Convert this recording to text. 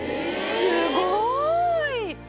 すごい！